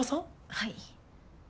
はい。